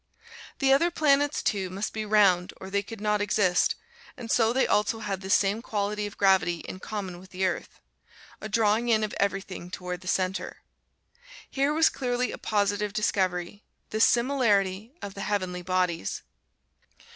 The other planets, too, must be round or they could not exist, and so they also had this same quality of gravity in common with the Earth a drawing in of everything toward the center. Here was clearly a positive discovery this similarity of the heavenly bodies!